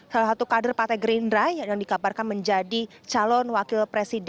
salah satu kader partai gerindra yang dikabarkan menjadi calon wakil presiden